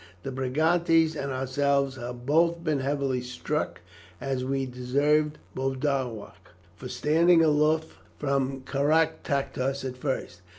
The Brigantes and ourselves have both been heavily struck, as we deserved, Boduoc, for standing aloof from Caractacus at first.